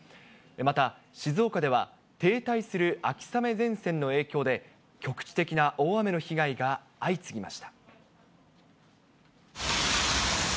また、静岡では停滞する秋雨前線の影響で、局地的な大雨の被害が相次ぎました。